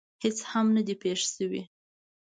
هېڅ هم نه دي پېښ شوي.